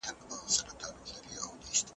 خدایه پر لار مو که ګمراه یو بې تا نه سمیږو